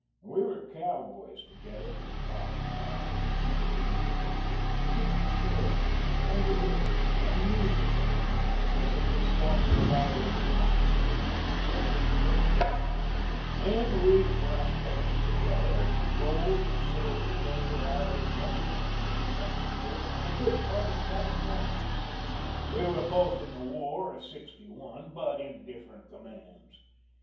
"We were cowboys together, Bob and I," continued the major, speaking slowly, and deliberately, and musingly, as if his thoughts were rather with the past than the critical present, "and we prospected together for gold and silver over Arizona, New Mexico, and a good part of California. We were both in the war of 'sixty one, but in different commands.